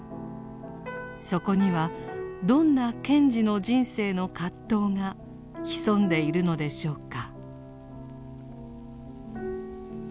そこにはどんな賢治の人生の葛藤が潜んでいるのでしょうか。